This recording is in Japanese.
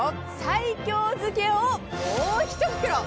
西京漬をもう１袋！